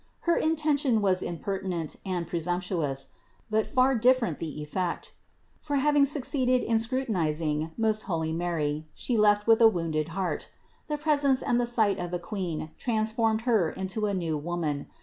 Her intention was imperti nent and presumptuous ; but far different the effect : for having succeeded in scrutinizing most holy Mary, she teft with a wounded heart : the presence and the sight of the Queen transformed her into a new woman.